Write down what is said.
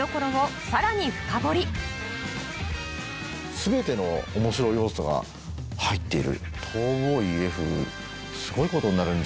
全ての面白要素が入っている。